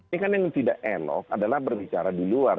ini kan yang tidak elok adalah berbicara di luar